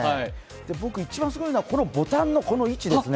僕一番すごいのは、ボタンのこの位置ですね。